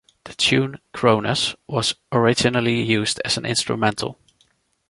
The tune Cronus was originally used as an instrumental.